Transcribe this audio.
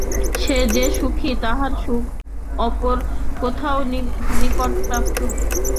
যে সুখী, তাহার সুখ অপর কাহারও নিকট প্রাপ্ত।